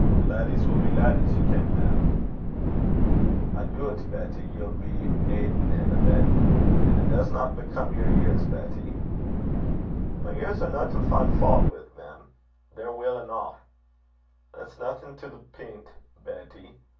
Laddies will be laddies, ye ken, mem.' 'I doobt, Betty, ye'll be aidin' an' abettin'. An' it disna become yer years, Betty.' 'My years are no to fin' faut wi', mem. They're weel eneuch.' 'That's naething to the pint, Betty.